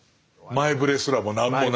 前触れすらもなく。